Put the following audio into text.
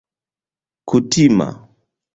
kutima